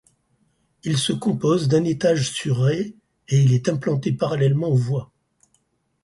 Il se compose d'un étage sur rez et il est implanté parallèlement aux voies.